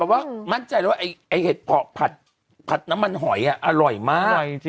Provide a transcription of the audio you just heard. แต่ว่ามั่นใจแล้วว่าไอ้เห็ดเพาะผัดน้ำมันหอยอร่อยมาก